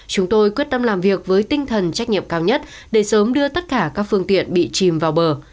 chúng tôi quyết tâm làm việc với tinh thần trách nhiệm cao nhất để sớm đưa tất cả các phương tiện bị chìm vào bờ